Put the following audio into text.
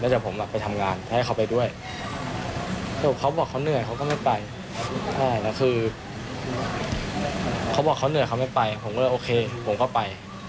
เจอผู้สมได้แล้วค่ะ